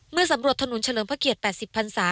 เมื่อสำรวจทะลุงชะเรือมพระเกียรติ๘๐พันศา